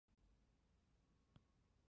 该游戏是魔兽争霸系列的第一部作品。